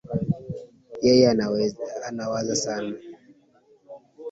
Yeye anawaza sana